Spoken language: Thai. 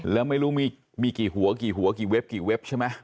แล้วไม่รู้มีกี่หัวกี่หัวกี่เว็บกี่เว็บใช่ไหม